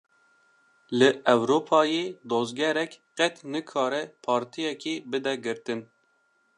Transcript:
Li Ewropayê dozgerek, qet nikare partiyekê bide girtin